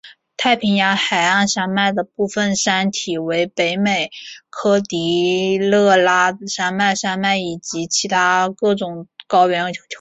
太平洋海岸山脉的部分山体为北美科迪勒拉山脉山脉以及其他各种高原和盆地。